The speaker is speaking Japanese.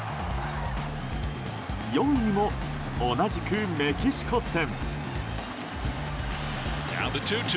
４位も同じくメキシコ戦。